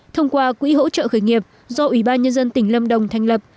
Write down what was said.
thông qua quỹ hỗ trợ khởi nghiệp do ủy ban nhân dân tỉnh lâm đồng thành lập